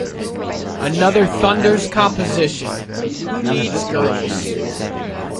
Another Thunders composition, Who Needs Girls?